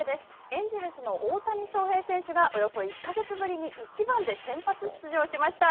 エンジェルスの大谷翔平選手がおよそ１か月ぶりに１番で先発出場しました。